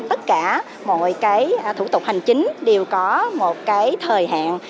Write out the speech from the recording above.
tất cả mọi cái thủ tục hành chính đều có một cái thời hạn